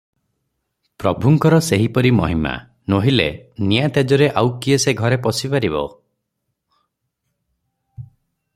ପ୍ରଭୁଙ୍କର ସେହିପରି ମହିମା, ନୋହିଲେ ନିଆଁ ତେଜରେ ଆଉ କିଏ ସେ ଘରେ ପଶି ପାରିବ?